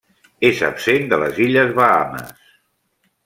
És absent de les illes Bahames.